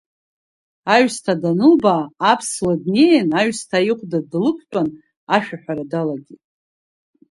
Аҩсҭаа данылбаа, аԥсуа днеин аҩсҭаа ихәда длықәтәан, ашәаҳәара далагеит.